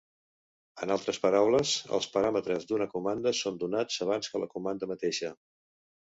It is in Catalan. En altres paraules, els paràmetres d'una comanda són donats abans que la comanda mateixa.